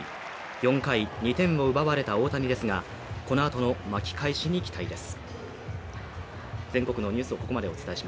４回２点を奪われた大谷ですが、この後の巻き返しに期待です。